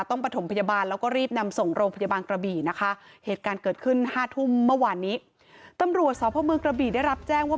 ตำรวจสาวพ่อเมืองกระบีได้รับแจ้งว่า